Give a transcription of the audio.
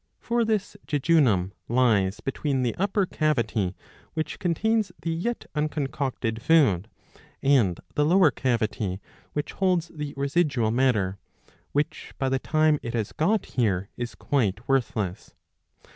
For this jejunum lies between the upper cavity which contains the • yet unconcocted food and the lower cavity which holds the residual matter, which by the time it has got here is 675 b. 111. 14 — 111. 15. 91 quite worthless.